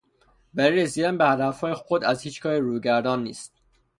برای رسیدن به هدفهای خود از هیچ کاری روگردان نیست.